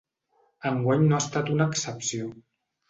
Enguany no ha estat una excepció.